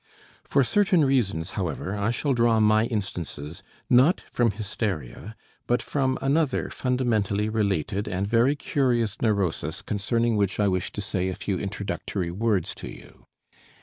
For certain reasons, however, I shall draw my instances not from hysteria, but from another fundamentally related and very curious neurosis concerning which I wish to say a few introductory words to you.